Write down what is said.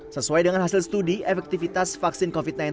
sesuai dengan hasil studi efektivitas vaksin covid sembilan belas